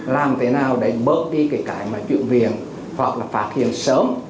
làm thế nào để bớt đi cái chuyện viện hoặc là phát hiện sớm